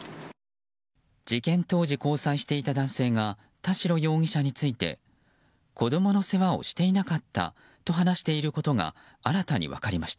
事件当時、交際していた男性が田代容疑者について子供の世話をしていなかったと話していることが新たに分かりました。